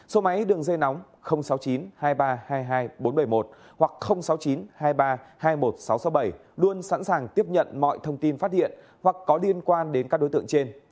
số máy đường dây nóng sáu mươi chín hai nghìn ba trăm hai mươi hai bốn trăm bảy mươi một hoặc sáu mươi chín hai mươi ba hai mươi một nghìn sáu trăm sáu mươi bảy luôn sẵn sàng tiếp nhận mọi thông tin phát hiện hoặc có liên quan đến các đối tượng trên